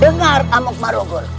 dengar amok marugol